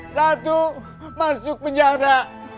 satu masuk penjara